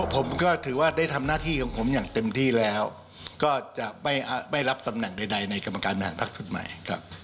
ผมก็ถือว่าได้ทำหน้าที่ของผมอย่างเต็มที่แล้วก็จะไม่รับตำแหน่งใดในกรรมการบริหารพักชุดใหม่ครับ